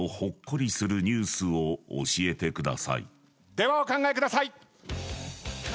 ではお考えください。